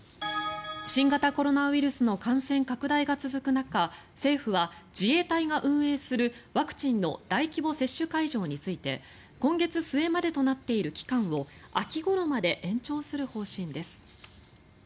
新型コロナウイルスの感染拡大が続く中政府は自衛隊が運営するワクチンの大規模接種会場について今月末までとなっている期間を秋ごろまで延長する方針です。